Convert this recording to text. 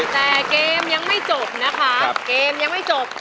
แต่เกมยังไม่จบนะคะเกมยังไม่จบ